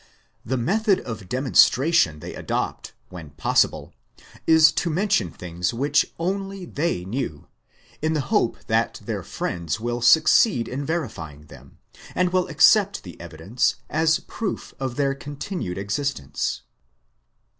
The method of demonstration they adopt, when possible, is to mention things which only they knew, in the hope that their friends will 590 The Outline of Science succeed in verifying them, and will accept the evidence as proof of their continued existence.